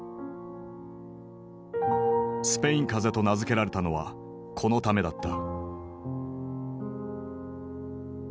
スペイン風邪と名付けられたのはこのためだった。